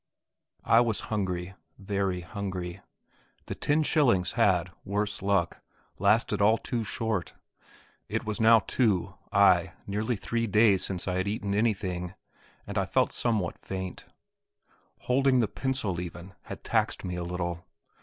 I was hungry very hungry. The ten shillings had, worse luck, lasted all too short. It was now two, ay, nearly three days since I had eaten anything, and I felt somewhat faint; holding the pencil even had taxed me a little.